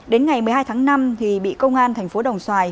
đến ngày một mươi hai tháng năm thì bị công an tp đồng xoài